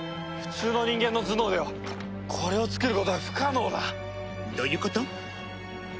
普通の人間の頭脳ではこれを作ることは不可能だ！どういうこと？